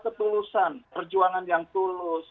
ketulusan perjuangan yang tulus